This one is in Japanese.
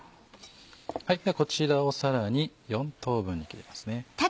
こちらをさらに４等分に切りますね。